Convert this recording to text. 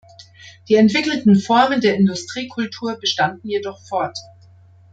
Die entwickelten Formen der Industriekultur bestanden jedoch fort.